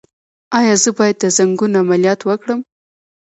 ایا زه باید د زنګون عملیات وکړم؟